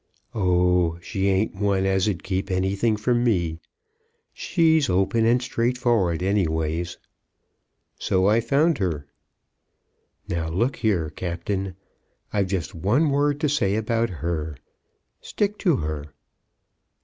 "Oh, she ain't one as 'd keep anything from me. She's open and straightforward, anyways." "So I found her." "Now look here, Captain. I've just one word to say about her. Stick to her."